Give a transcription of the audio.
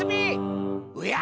おや！